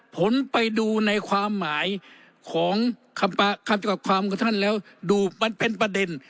ผมไปดูในความหมายของคำเกี่ยวกับความของท่านแล้วดูมันเป็นประเด็น